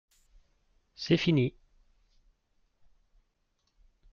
C'est fini!